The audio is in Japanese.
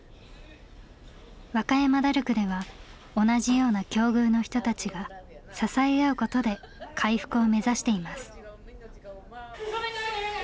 和歌山ダルクでは同じような境遇の人たちが支え合うことで回復を目指しています。